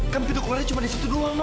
kan pintu kulitnya cuma disitu doang nun